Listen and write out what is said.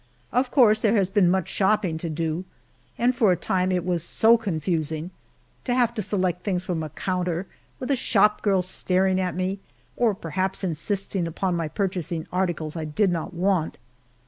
Of course there has been much shopping to do, and for a time it was so confusing to have to select things from a counter, with a shop girl staring at me, or perhaps insisting upon my purchasing articles I did not want.